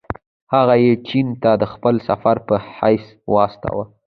هغه یې چین ته د خپل سفیر په حیث واستاوه.